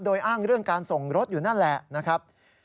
โดยอ้างเรื่องการส่งรถอยู่นั่นแหละนะครับ